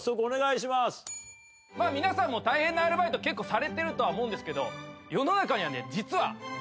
皆さんも大変なアルバイト結構されてると思うんですけど世の中にはね実は。